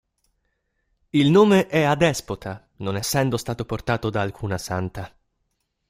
Il nome è adespota, non essendo stato portato da alcuna santa.